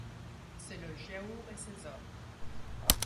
C'est le Giaour et ses hommes.